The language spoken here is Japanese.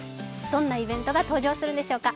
どんなイベントが登場するんでしょうか。